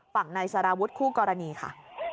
ฝั่งนายสารวุฒิคู่กรณีค่ะ